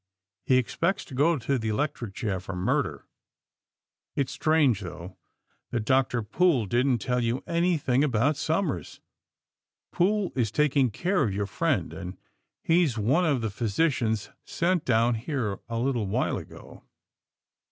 He expects to go to the electric chair for murder. It's strange, though, that Dr. Poole didn't tell you anything about Somers. Poole is taking care of your friend, and he's one of the phy sicians sent down here a little while ago."